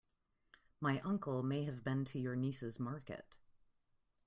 My uncle may have been to your niece's market.